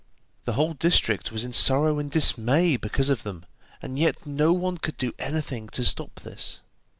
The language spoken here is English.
The whole district was in sorrow and dismay because of them, and yet no one could do anything to stop this.